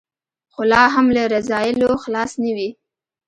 خو لا هم له رذایلو خلاص نه وي.